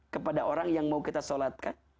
kepada orang yang mau kita sholatkan